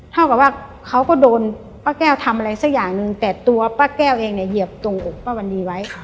เท่ากับว่าเขาก็โดนป้าแก้วทำอะไรสักอย่างหนึ่งแต่ตัวป้าแก้วเองเนี่ยเหยียบตรงอกป้าวันนี้ไว้